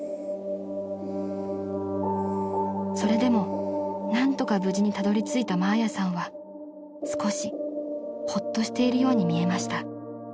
［それでも何とか無事にたどりついたマーヤさんは少しほっとしているように見えました］